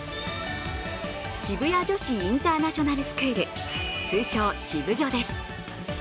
渋谷女子インターナショナルスクール、通称・シブジョです。